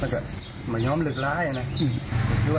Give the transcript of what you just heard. ก็คือไม่ยอมหลึกร้ายนะ